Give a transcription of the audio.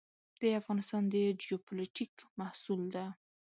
د افغانستان د جیوپولیټیک محصول ده.